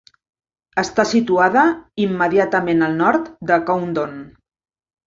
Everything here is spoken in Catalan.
Està situada immediatament al nord de Coundon.